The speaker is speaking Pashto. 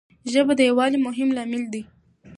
ژبه د یووالي مهم لامل دی.